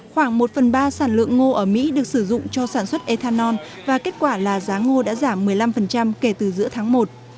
khoảng một phần ba sản lượng ngô ở mỹ được sử dụng cho sản xuất ethanol và kết quả là giá ngô đã giảm một mươi năm kể từ giữa tháng một